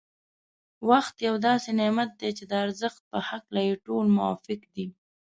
وخت یو داسې نعمت دی چي د ارزښت په هکله يې ټول موافق دی.